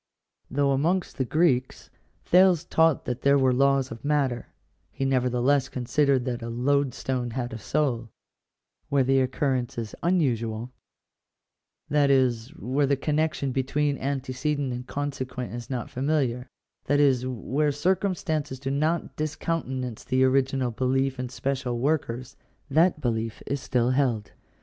Though, amongst the Greeks, Thales taught that there were laws of matter, he nevertheless considered that a load stone had a souL Where the occurrence is unusual — that is, where the connection be tween antecedent and consequent is not familiar — that is, where circumstances do not discountenance the original belief in spe cial workers, that belief is still held.